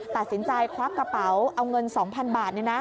ตัดสินใจควักกระเป๋าเอาเงิน๒๐๐๐บาท